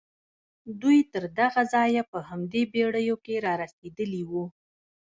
دوی تر دغه ځايه په همدې بېړيو کې را رسېدلي وو.